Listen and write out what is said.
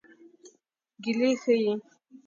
ګیلې ښيي.